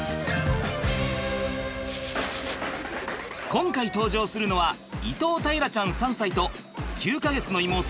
今回登場するのは伊藤大樂ちゃん３歳と９か月の妹鳴映ちゃん。